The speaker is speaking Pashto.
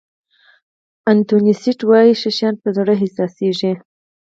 انتوني دي سېنټ وایي ښه شیان په زړه احساسېږي.